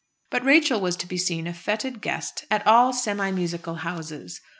But Rachel was to be seen a fêted guest at all semi musical houses.